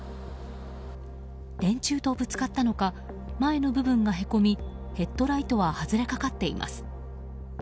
電柱とぶつかったのか前の部分がへこみヘッドライトは外れかかっています。